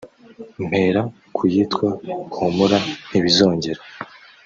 mpera ku yitwa "Humura ntibizongera"